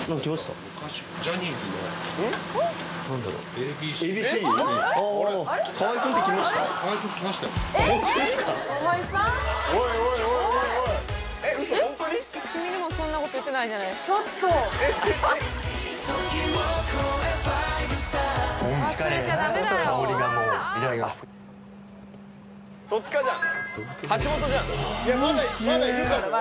まだいるかもよ！？